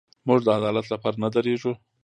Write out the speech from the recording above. موږ د عدالت لپاره نه درېږو.